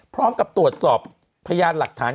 พร้อมกับตรวจสอบพยานหลักฐาน